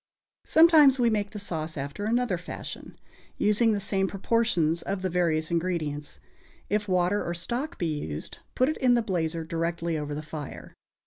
Sometimes we make the sauce after another fashion, using the same proportions of the various ingredients. If water or stock be used, put it in the blazer directly over the fire.